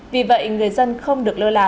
vì vậy người dân không được lơ là